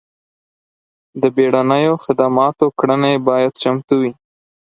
د بیړنیو خدماتو کړنې باید چمتو وي.